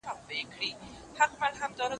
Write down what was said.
زه سینې د حیوانانو څیرومه